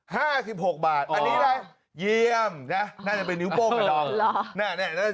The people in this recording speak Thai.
๕๖บาทอันนี้อะไรเยี่ยมนะน่าจะเป็นนิ้วโป้งนะดอง